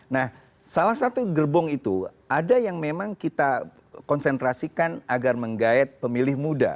nah salah satu gerbong itu ada yang memang kita konsentrasikan agar menggayat pemilih muda